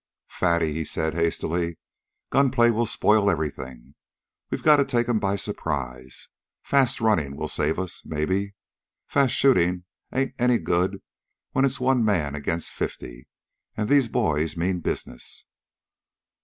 "Fatty," he said hastily, "gunplay will spoil everything. We got to take 'em by surprise. Fast running will save us, maybe. Fast shooting ain't any good when it's one man agin' fifty, and these boys mean business."